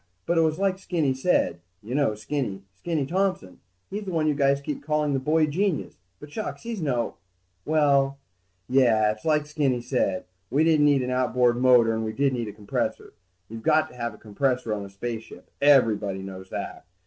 But it was like Skinny said ... You know, Skinny. Skinny Thompson. He's the one you guys keep calling the boy genius, but shucks, he's no ... Well, yeah, it's like Skinny said, we didn't need an outboard motor, and we did need a compressor. You've got to have a compressor on a spaceship, everybody knows that.